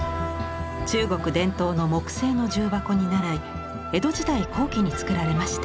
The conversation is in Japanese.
中国伝統の木製の重箱にならい江戸時代後期に作られました。